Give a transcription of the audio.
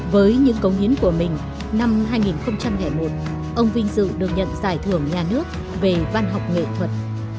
với những cống hiến của mình năm hai nghìn một ông vinh dự được nhận giải thưởng nhà nước về văn học nghệ thuật